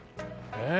ええ？